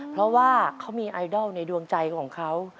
เพราะว่าเขามีไอดอลในดวงใจของเขา